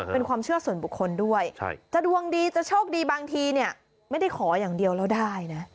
เป็นความเชื่อส่วนบุคคลด้วยจะดวงดีจะโชคดีบางทีเนี่ยไม่ได้ขออย่างเดียวแล้วได้นะ